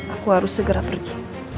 aku harus segera pergi